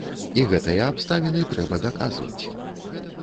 І гэтыя абставіны трэба даказваць.